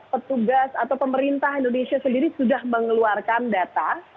petugas atau pemerintah indonesia sendiri sudah mengeluarkan data